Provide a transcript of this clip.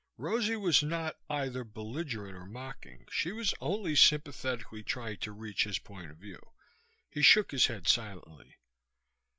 Rosie was not either belligerent or mocking. She was only sympathetically trying to reach his point of view. He shook his head silently.